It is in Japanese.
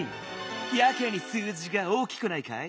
やけに数字が大きくないかい？